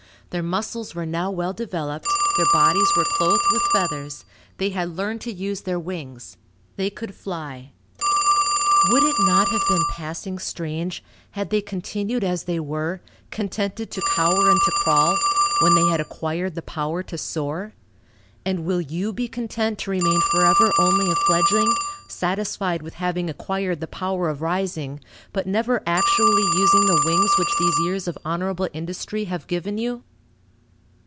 Their muscles were now well developed, their bodies were clothed with feathers, they had learned to use their wings, they could fly. Would it not have been passing strange, had they continued as they were, contented to cower and to crawl, when they had acquired the power to soar? And will you be content to remain forever only a fledgling, satisfied with having acquired the power of rising, but never actually using the wings which these years of honorable industry have given you?